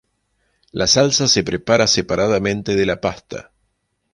La salsa se prepara separadamente de la pasta.